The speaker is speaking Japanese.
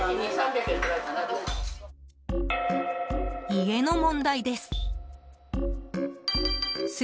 家の問題です。